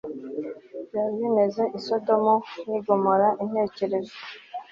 byari bimeze i Sodomu ni Gomora Intekerezo